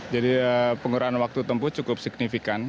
jadi penggunaan waktu tempuh cukup signifikan